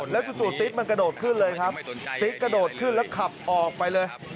จู่ติ๊กมันกระโดดขึ้นเลยครับติ๊กกระโดดขึ้นแล้วขับออกไปเลย